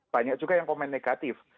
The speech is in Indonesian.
banyak juga yang komen negatif